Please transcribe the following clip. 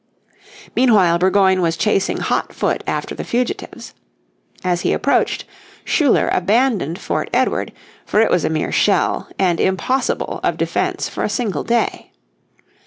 Meanwhile Burgoyne was chasing hot foot after the fugitives. As he approached, Schuyler abandoned Fort Edward, for it was a mere shell and impossible of defence for a single day.